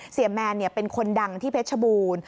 แมนเป็นคนดังที่เพชรบูรณ์